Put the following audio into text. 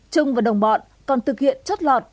trung và đồng bọn còn thực hiện chất lọt